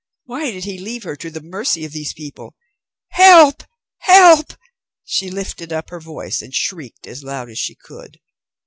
Why did he leave her to the mercy of these people? "Help! Help!" She lifted up her voice and shrieked as loud as she could.